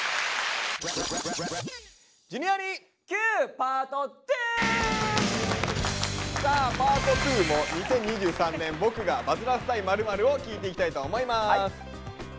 パート２！さあパート２も「２０２３年ボクがバズらせたい○○」を聞いていきたいと思います。